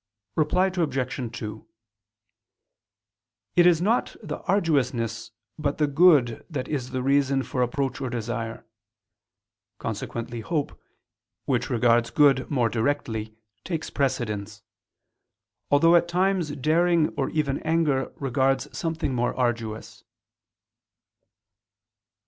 Reply Obj. 2: It is not the arduousness but the good that is the reason for approach or desire. Consequently hope, which regards good more directly, takes precedence: although at times daring or even anger regards something more arduous.